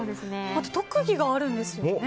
特技があるんですよね。